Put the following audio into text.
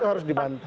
itu harus dibantah